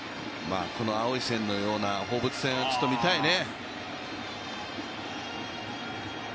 青い線のような放物線、見たいね。